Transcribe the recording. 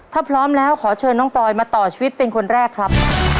ถ้าพร้อมแล้วขอเชิญน้องปอยมาต่อชีวิตเป็นคนแรกครับ